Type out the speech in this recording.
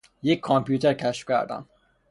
یک کامپیوتر کشف کردم.